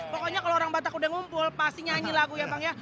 pokoknya kalau orang batak udah ngumpul pasti nyanyi lagu ya bang ya